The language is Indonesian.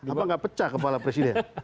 apa nggak pecah kepala presiden